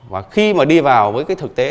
và khi mà đi vào với cái thực tế